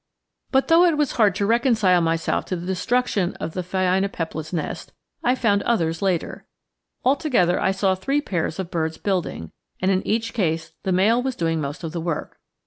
But though it was hard to reconcile myself to the destruction of the phainopeplas' nest, I found others later. Altogether, I saw three pairs of birds building, and in each case the male was doing most of the work.